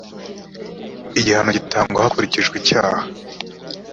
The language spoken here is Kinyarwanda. igihano gitangwa hakurikijwe icyaha.